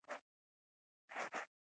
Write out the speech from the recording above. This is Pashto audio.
هغه به له فقیرانو سره کښېناست.